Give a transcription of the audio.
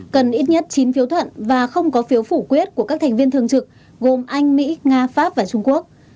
cần ít nhất chín phiếu thuận và không có phiếu phủ quyết của các thành viên thường trực gồm anh mỹ nga pháp và trung quốc